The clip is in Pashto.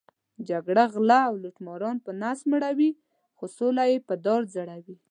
جګړه غله او لوټماران په نس مړوي، خو سوله یې په دار ځړوي.